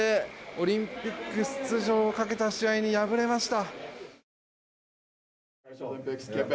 オリンピック出場をかけた試合に敗れました。